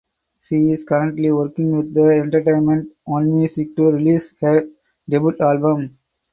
She is currently working with Entertainment One Music to release her debut album.